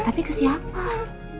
tapi ke siapa